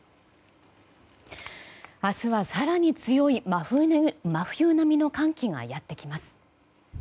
明日は更に強い真冬並みの寒気がやってきます。